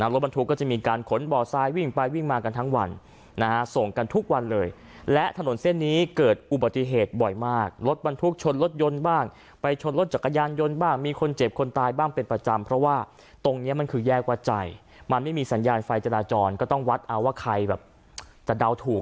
รถบรรทุกก็จะมีการขนบ่อทรายวิ่งไปวิ่งมากันทั้งวันนะฮะส่งกันทุกวันเลยและถนนเส้นนี้เกิดอุบัติเหตุบ่อยมากรถบรรทุกชนรถยนต์บ้างไปชนรถจักรยานยนต์บ้างมีคนเจ็บคนตายบ้างเป็นประจำเพราะว่าตรงเนี้ยมันคือแยกวัดใจมันไม่มีสัญญาณไฟจราจรก็ต้องวัดเอาว่าใครแบบจะเดาถูก